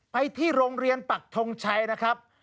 ไปที่โรงเรียนปักทงชัยนะครับ